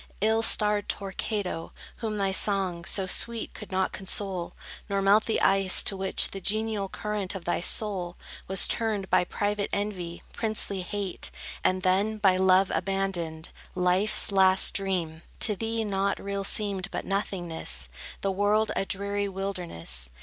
Ill starred Torquato, whom thy song, So sweet, could not console, Nor melt the ice, to which The genial current of thy soul Was turned, by private envy, princely hate; And then, by Love abandoned, life's last dream! To thee, nought real seemed but nothingness, The world a dreary wilderness.